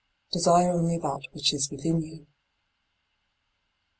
Desire only that which is within you.